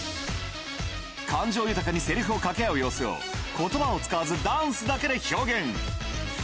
感情豊かにせりふをかけ合う様子を、ことばを使わずダンスだけで表現。